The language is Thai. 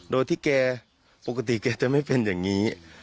โดยที่แกปกติแกจะไม่เป็นอย่างนี้